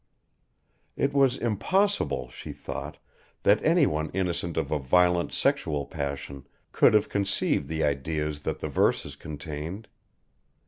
It was impossible, she thought, that anyone innocent of a violent sexual passion could have conceived the ideas that the verses contained.